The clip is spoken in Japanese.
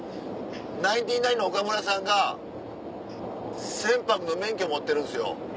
ナインティナインの岡村さんが船舶の免許持ってるんですよ。